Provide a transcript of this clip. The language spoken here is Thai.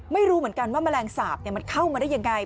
ไม่รู้เหมือนกันว่าแมลงสาปมันเข้ามาได้ยังไง